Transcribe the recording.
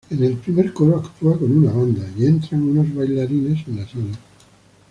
En el primer coro actúa con una banda, entran unos bailarines a la sala.